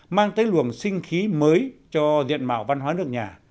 mang tới luồng sinh khí mới cho diện mạo văn hóa nước nhà